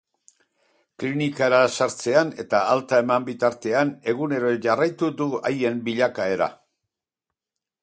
Klinikara sartzean eta alta eman bitartean egunero jarraitu du haien bilakaera.